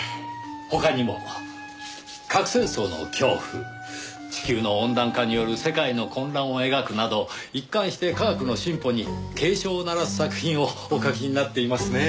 他にも核戦争の恐怖地球の温暖化による世界の混乱を描くなど一貫して科学の進歩に警鐘を鳴らす作品をお書きになっていますねぇ。